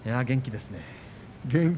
元気ですね。